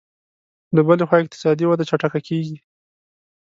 له بلې خوا اقتصادي وده چټکه کېږي